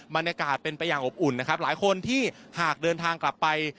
บรรยากาศเป็นไปอย่างอบอุ่นนะครับหลายคนที่หากเดินทางกลับไป